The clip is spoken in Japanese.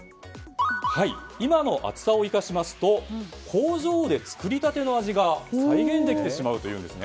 今の暑さを生かしますと工場で作りたての味が再現できてしまうというんです。